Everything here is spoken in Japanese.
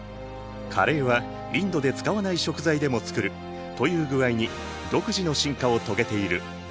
カレーはインドで使わない食材でも作るという具合に独自の進化を遂げている。